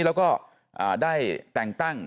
แล้วก็ได้แต่งตั้ง